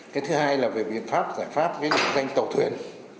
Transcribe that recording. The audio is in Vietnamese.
cái thứ hai là về biện pháp giải pháp với định danh tàu thuyền